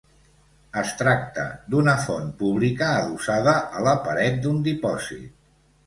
Es tracta d'una font pública adossada a la paret d'un dipòsit.